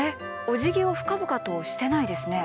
おじぎを深々としてないですね。